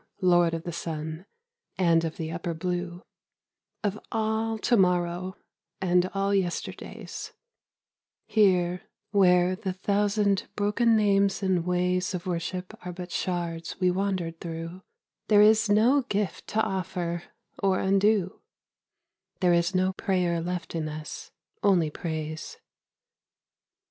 Lord of the Sun, and of the upper blue, Of all To morrow, and all yesterdays, Here, where the thousand broken names and ways Of worship are but shards we wandered through, There is no gift to offer, or undo; There is no prayer left in us, only praise.